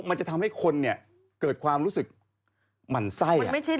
มันจะทำให้คนเกิดความรู้สึกหมั่นไส้